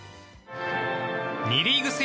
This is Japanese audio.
２リーグ制